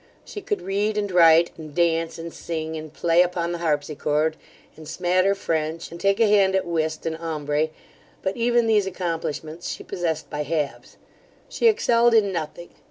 She could read, and write, and dance, and sing, and play upon the harpsichord, and smatter French, and take a hand at whist and ombre; but even these accomplishments she possessed by halves She excelled in nothing.